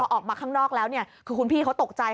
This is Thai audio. ออกมาข้างนอกแล้วคือคุณพี่เขาตกใจ